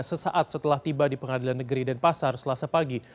sesaat setelah tiba di pengadilan negeri denpasar selasa pagi